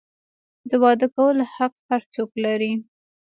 د واده کولو حق هر څوک لري.